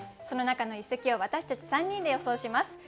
その中の一席を私たち３人で予想します。